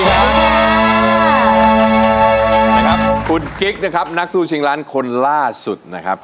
นะครับคุณกิ๊กนะครับนักสู้ชิงล้านคนล่าสุดนะครับ